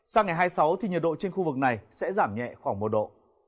sang ngày hai mươi sáu thì nhiệt độ trên khu vực này sẽ giảm nhẹ khoảng một độ